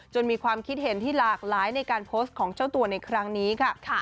มีความคิดเห็นที่หลากหลายในการโพสต์ของเจ้าตัวในครั้งนี้ค่ะ